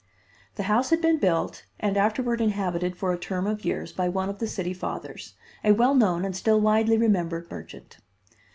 The house had been built and afterward inhabited for a term of years by one of the city fathers, a well known and still widely remembered merchant.